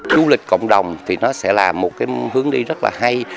du lịch cộng đồng thì nó sẽ là một cái hướng đi rất là hay